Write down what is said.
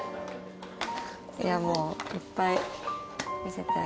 いやもういっぱい見せてあげてください。